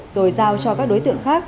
rồi giao cho các đối tượng khác